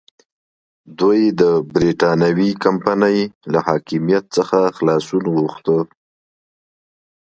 دوی د برېټانوي کمپنۍ له حاکمیت څخه خلاصون غوښته.